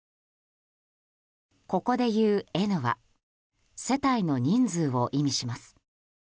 ここでいう「Ｎ」は世帯の人数を意味します。